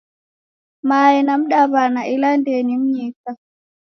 Mae ni mdaw'ida ela ndee ni mnyika.